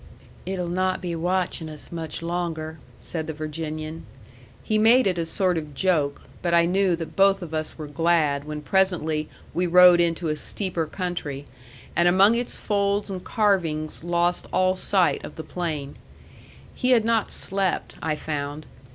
"It'll not be watching us much longer," said the Virginian. He made it a sort of joke; but I knew that both of us were glad when presently we rode into a steeper country, and among its folds and carvings lost all sight of the plain. He had not slept, I found.